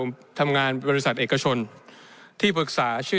ผมทำงานบริษัทเอกชนที่ปรึกษาชื่อ